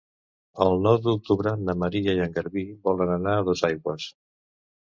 El nou d'octubre na Maria i en Garbí volen anar a Dosaigües.